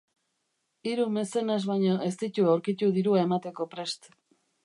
Hiru mezenas baino ez ditu aurkitu dirua emateko prest.